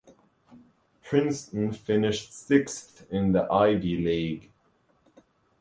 Princeton finished sixth in the Ivy League.